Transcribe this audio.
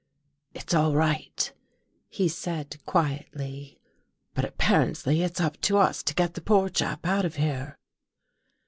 " It's all right," he said quietly. " But appar ently It's up to us to get the poor chap out of here."